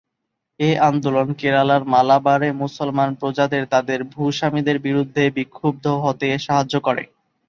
এ আন্দোলন কেরালার মালাবারে মুসলমান প্রজাদের তাদের ভূস্বামীদের বিরুদ্ধে বিক্ষুব্ধ হতে সাহায্য করে।